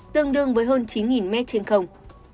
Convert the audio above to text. tương đương với hơn chín m trên không